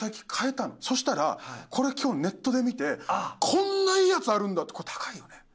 そしたらこれ今日ネットで見てこんないいやつあるんだ！ってこれ高いよね？